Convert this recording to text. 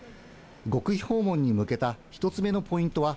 極秘訪問に向けた１つ目のポイントは、